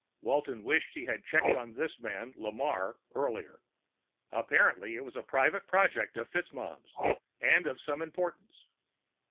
Walton wished he had checked on this man Lamarre earlier. Apparently it was a private project of FitzMaugham's and of some importance.